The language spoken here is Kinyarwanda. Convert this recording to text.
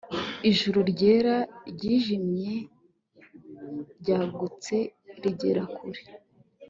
Ijuru ryera ryijimye ryagutse rigera kure